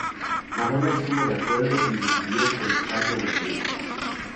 Madonna estuvo de acuerdo y decidió prestarle los derechos.